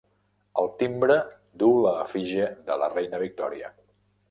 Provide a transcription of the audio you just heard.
El timbre duu l'efígie de la reina Victòria.